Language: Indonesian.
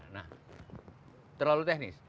nah terlalu teknis